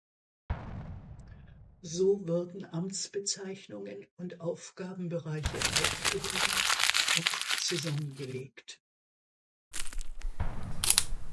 So wurden Amtsbezeichnungen und Aufgabenbereiche aufgehoben und zusammengelegt.